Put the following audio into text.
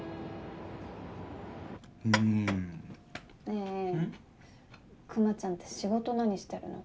ねえくまちゃんって仕事何してるの？